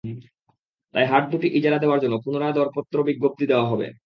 তাই হাট দুটি ইজারা দেওয়ার জন্য পুনরায় দরপত্র বিজ্ঞপ্তি দেওয়া হবে।